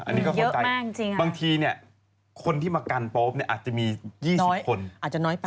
อันนี้ก็เข้าใจบางทีเนี่ยคนที่มากันโป๊ปเนี่ยอาจจะมี๒๐คน